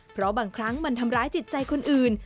เพราะบางครั้งมันทำร้ายจิตใจคนอื่น